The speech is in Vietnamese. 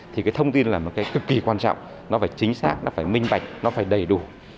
thì cái thông tin là một cái cực kỳ quan trọng nó phải chính xác nó phải minh bạch nó phải đầy đủ